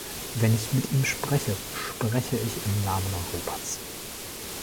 Wenn ich mit ihm spreche, spreche ich im Namen Europas.